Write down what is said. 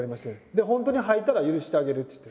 で「本当に吐いたら許してあげる」っつって。